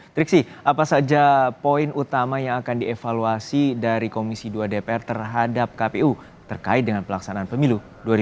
triksi apa saja poin utama yang akan dievaluasi dari komisi dua dpr terhadap kpu terkait dengan pelaksanaan pemilu dua ribu dua puluh